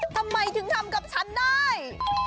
ทำไมถึงทำกับฉันได้